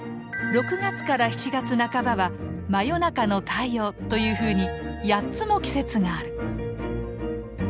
６月から７月半ばは「真夜中の太陽」というふうに８つも季節がある！